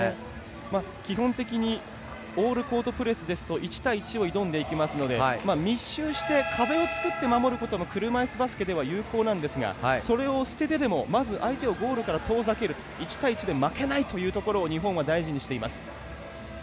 基本的にオールコートプレスだと１対１を挑んでいくので密集して壁を作って守ることも車いすバスケでは有効なんですがそれを捨ててでも相手をゴールから遠ざける１対１で負けないというところを日本は大事にしています。